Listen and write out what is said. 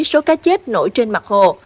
số cá chết nổi trên mặt hồ